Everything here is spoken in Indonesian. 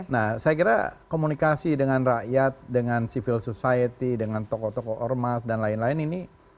nah saya kira komunikasi dengan rakyat dengan civil society dengan tokoh tokoh ormas dan lain lain ini